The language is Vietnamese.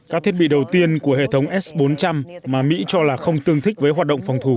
các thiết bị đầu tiên của hệ thống s bốn trăm linh mà mỹ cho là không tương thích với hoạt động phòng thủ